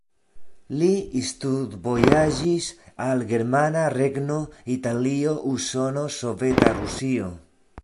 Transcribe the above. Li studvojaĝis al Germana Regno, Italio, Usono, Soveta Rusio.